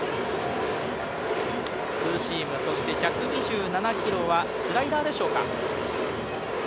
ツーシーム、そして１２７キロはスライダーでしょうか。